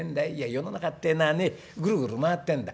世の中ってえのはねぐるぐる回ってんだ。